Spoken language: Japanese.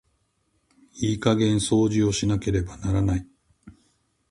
いい加減掃除をしなければならない。